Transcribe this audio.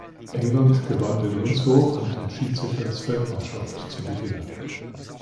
England gewann den Münzwurf und entschied sich als Feldmannschaft zu beginnen.